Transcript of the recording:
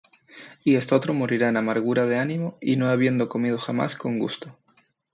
Y estotro morirá en amargura de ánimo, Y no habiendo comido jamás con gusto.